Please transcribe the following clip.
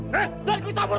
jangan gue tambur